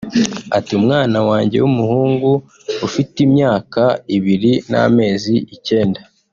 Ati “ Umwana wanjye w’umuhungu ufite imyaka ibiri n’amezi icyenda